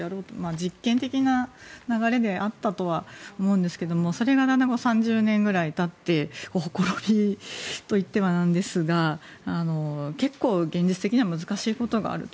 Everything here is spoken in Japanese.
実験的なことであったとは思うんですけれどもそれが３０年ぐらい経ってほころびと言ってはなんですが結構、現実的には難しいことがあると。